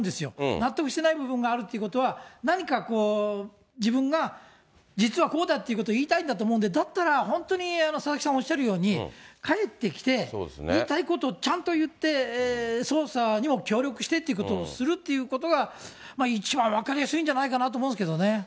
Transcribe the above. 納得してない部分があるということは、何かこう、自分が実はこうだということを言いたいんだと思うんで、だったら、本当に佐々木さんおっしゃるように、帰ってきて、言いたいことちゃんと言って、捜査にも協力してということをするっていうことが、一番分かりやすいんじゃないかなと思うんですけどね。